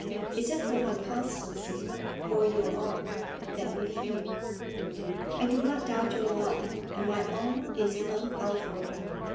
Is it for my constancy, or your own, that you fear?' 'I do not doubt your love, and my own is unalterable.